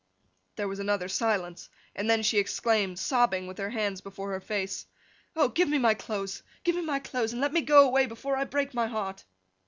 There was another silence; and then she exclaimed, sobbing with her hands before her face, 'Oh, give me my clothes, give me my clothes, and let me go away before I break my heart!